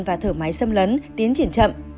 và thở máy xâm lấn tiến triển chậm